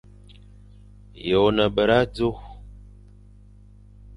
Ye one bera dzo?